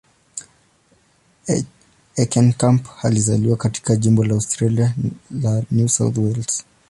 Heckenkamp alizaliwa katika jimbo la Australia la New South Wales.